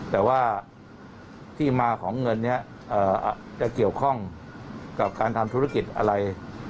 แต่ว่าที่มาของเงินนี้จะเกี่ยวข้องกับการทำธุรกิจอะไร